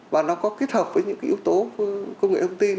và nó có kết hợp với những cái yếu tố công nghệ thông tin